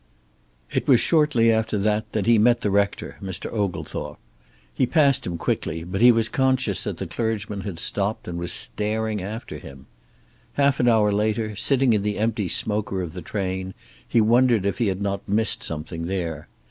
It was shortly after that that he met the rector, Mr. Oglethorpe. He passed him quickly, but he was conscious that the clergyman had stopped and was staring after him. Half an hour later, sitting in the empty smoker of the train, he wondered if he had not missed something there.